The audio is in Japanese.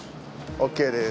ＯＫです。